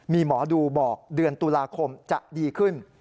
มีหมอดูบอกเดือนตุลาคมจะดีขึ้น